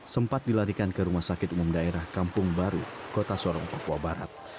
sempat dilarikan ke rumah sakit umum daerah kampung baru kota sorong papua barat